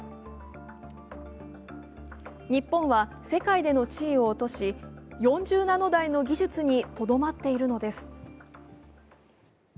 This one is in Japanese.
日本は世界での地位を落とし４０ナノ台の技術にとどまっているのです。